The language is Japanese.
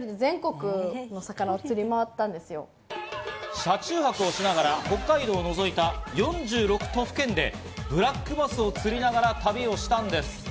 車中泊をしながら北海道を除いた４６都府県でブラックバスを釣りながら旅をしたんです。